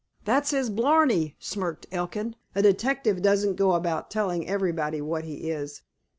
"That's his blarney," smirked Elkin. "A detective doesn't go about telling everybody what he is."